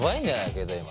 携帯今。